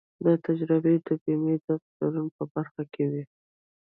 دا تجربې د بيمې د پلورلو په برخه کې وې.